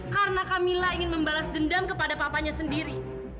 karena kamila ingin membalas dendam kepada papanya sendiri